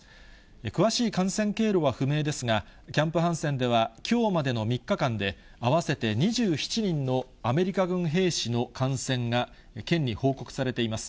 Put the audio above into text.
詳しい感染経路は不明ですが、キャンプ・ハンセンでは、きょうまでの３日間で、合わせて２７人のアメリカ軍兵士の感染が県に報告されています。